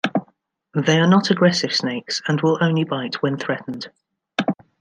They are not aggressive snakes and will only bite when threatened.